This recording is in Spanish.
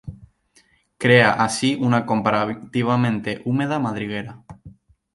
Crea así una comparativamente húmeda madriguera.